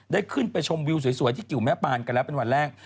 ได้ขึ้นไปชมวิวสวยที่กิวแม่ปานกันแล้วเป็นวันแรก